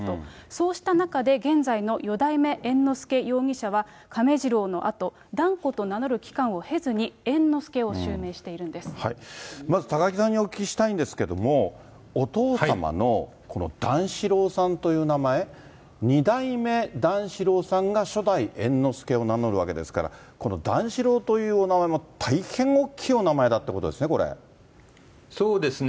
そうした中で、現在の四代目猿之助容疑者は亀治郎のあと、團子と名乗る期間を経ずに、まず高木さんにお聞きしたいんですけれども、お父様のこの段四郎さんという名前、二代目段四郎さんが、初代猿之助を名乗るわけですから、この段四郎というお名前も大変大きいお名前だってことですね、そうですね。